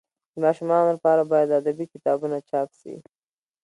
د ماشومانو لپاره باید ادبي کتابونه چاپ سي.